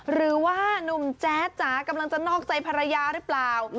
หรือว่านุ่มแจ๊ดจ๋ากำลังจะนอกใจภรรยาหรือเปล่า